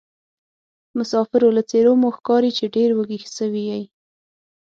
مسافرو له څېرومو ښکاري چې ډېروږي سوي یې.